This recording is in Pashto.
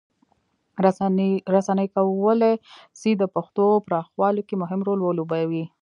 رسنۍ کولی سي د پښتو پراخولو کې مهم رول ولوبوي.